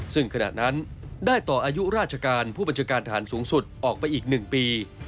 ซึ่งขณะนั้นได้ต่ออายุราชการผู้บัญชาการฐานสูงสุดออกไปอีก๑ปี